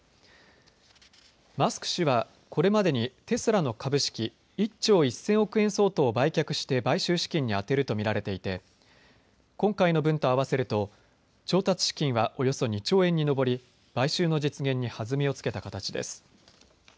マスク氏はこれまでにテスラの株式、１兆１０００億円相当を売却して買収資金に充てると見られていて今回の分と合わせると調達資金はおよそ２兆円に上り買収の実現に弾みをつけた形です。